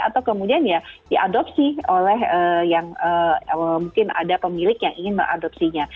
atau kemudian ya diadopsi oleh yang mungkin ada pemilik yang ingin mengadopsinya